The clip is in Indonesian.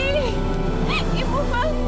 ibu bangun ibu bangun